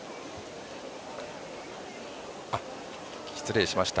失礼しました。